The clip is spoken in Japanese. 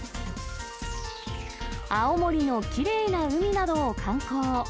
青森のきれいな海などを観光。